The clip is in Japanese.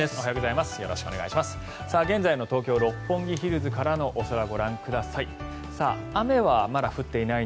現在の東京・六本木ヒルズからのお空、ご覧ください。